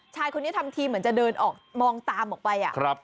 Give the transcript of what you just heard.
ชายคนนี้ทำทีเหมือนจะเดินออกมองตามออกไป